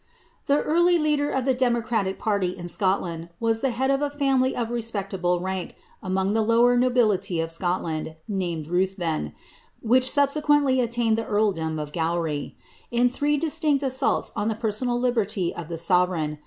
The early leader of ihe democratic parly in Scotland was the hfiid ^ f B family of respectable rank among tlie lower nobijitv of Scoilanii. named Ruihven, which subsc(|uently attained tlic earldom of Gunr In ibree distinct assaults on the personal liherty of tlie soverei^ n.